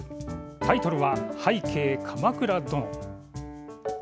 タイトルは「拝啓、鎌倉殿！」。